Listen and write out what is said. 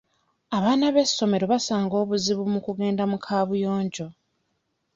Abaana b'essomero basanga obuzibu mu kugenda mu kabuyonjo.